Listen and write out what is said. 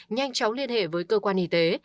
nhanh chóng liên hệ với cơ quan y tế